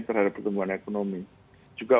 terhadap pertumbuhan ekonomi juga